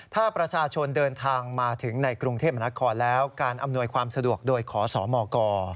ถ้าประชาชนเดินทางมาถึงในกรุงเทพมนาคอนแล้วการอำนวยความสะดวกโดยขอสมก